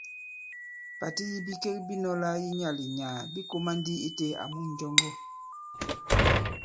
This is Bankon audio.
Pàti yi bikek bi nɔ̄lā bi nyaà-li-nyàà bī kōmā ndi itē àmu ǹnjɔŋgɔ.